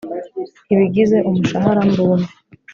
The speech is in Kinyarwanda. ibigize umushahara mbumbe